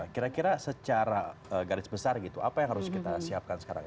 kira kira secara garis besar gitu apa yang harus kita siapkan sekarang